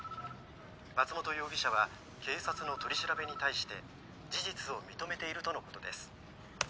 松本容疑者は警察の取り調べに対して事実を認めているとのことです。